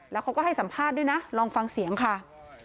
แล้วเขาก็ให้สัมภาษณ์ด้วยนะลองฟังเสียงค่ะ